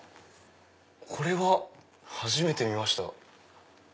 これは初めて見ました。